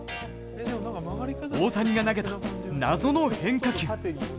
大谷が投げた謎の変化球。